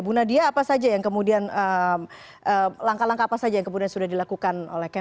bu nadia apa saja yang kemudian langkah langkah apa saja yang kemudian sudah dilakukan oleh kpu